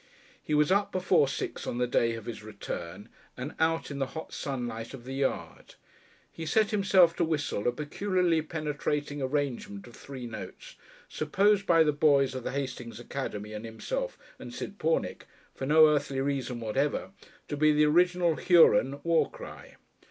He was up before six on the day of his return, and out in the hot sunlight of the yard. He set himself to whistle a peculiarly penetrating arrangement of three notes supposed by the boys of the Hastings Academy and himself and Sid Pornick, for no earthly reason whatever, to be the original Huron war cry.